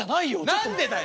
何でだよ！